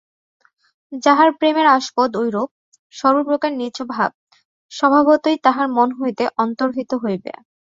যাহার প্রেমের আস্পদ ঐরূপ, সর্বপ্রকার নীচভাব স্বভাবতই তাহার মন হইতে অন্তর্হিত হইবে।